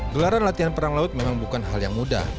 gelaran latihan perang laut memang bukan hal yang mudah